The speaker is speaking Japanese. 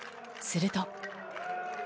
すると。